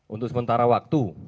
untuk sementara waktu